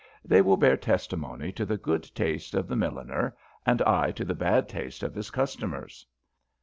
They will bear testimony to the good taste of the milliner, and I to the bad taste of his customers.